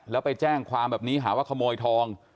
แล้วไปแจ้งความแบบนี้หาว่าขโมยทอง